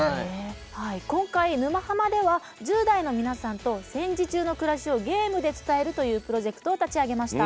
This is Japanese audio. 今回「沼ハマ」では１０代の皆さんと戦時中の暮らしをゲームで伝えるというプロジェクトを立ち上げました。